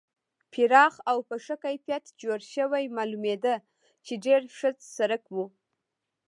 پراخ او په ښه کیفیت جوړ شوی معلومېده چې ډېر ښه سړک و.